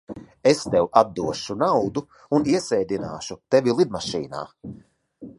Es tev atdošu naudu un iesēdināšu tevi lidmašīnā.